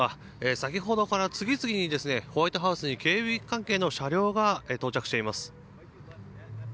先ほどから次々にホワイトハウスに警備関係の車両が到着しています。